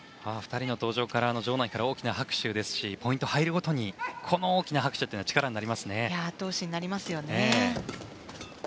２人の登場から場内は大きな拍手ですしポイント入るごとに大きな拍手というのはあと押しになりますね。